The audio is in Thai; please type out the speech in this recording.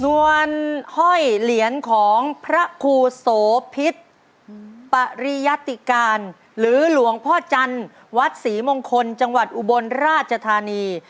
ส่วนห้อยเหรียญของพระครูโสพิษปริยติการหรือหลวงพ่อจันทร์วัดศรีมงคลจังหวัดอุบลราชธานี